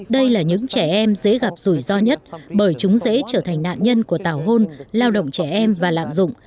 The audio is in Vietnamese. đây là những trẻ em dễ gặp rủi ro nhất bởi chúng dễ trở thành nạn nhân của tào hôn lao động trẻ em và lạm dụng